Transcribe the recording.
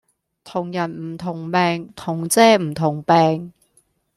同人唔同命同遮唔同柄